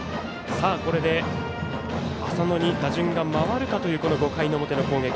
これで浅野に打順が回るかというこの５回の表の攻撃。